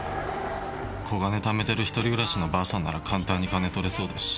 小金貯めてる独り暮らしのばあさんなら簡単に金盗れそうだし。